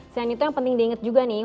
dan itu yang penting diinget juga nih